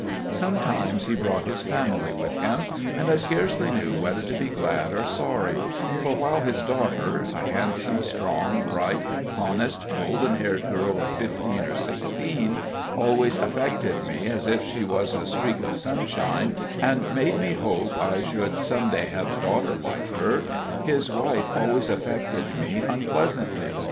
Sometimes he brought his family with him, and I scarcely knew whether to be glad or sorry; for, while his daughter, a handsome, strong, bright, honest, golden haired girl of fifteen or sixteen, always affected me as if she was a streak of sunshine, and made me hope I should some day have a daughter like her, his wife always affected me unpleasantly.